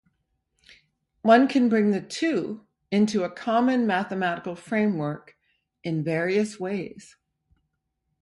One can bring the two into a common mathematical framework in various ways.